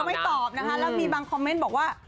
ไม่ตอบนะคะแล้วมีบางคอมเมนต์บอกว่า